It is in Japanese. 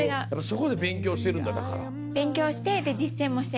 そこで勉強してるんだだから。